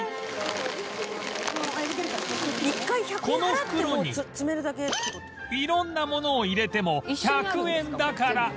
この袋に色んなものを入れても１００円だから